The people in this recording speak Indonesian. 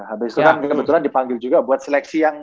habis itu kan kebetulan dipanggil juga buat seleksi yang